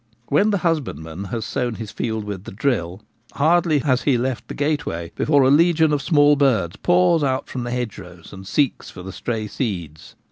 When the husbandman has sown his field with the drill, hardly has he left the gateway before a legion of small birds pours out from the hedgerows and seeks for the stray seeds.